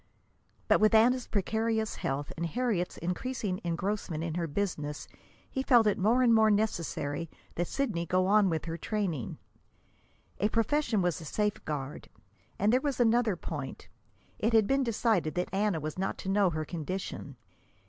But, with Anna's precarious health and Harriet's increasing engrossment in her business, he felt it more and more necessary that Sidney go on with her training. A profession was a safeguard. And there was another point: it had been decided that Anna was not to know her condition.